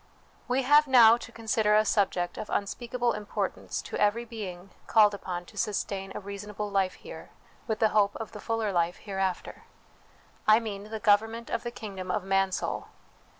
We have now to con sider a subject of unspeakable importance to every being called upon to sustain a reasonable life here, with the hope of the fuller life hereafter; I mean, the government of the kingdom of Mansoul.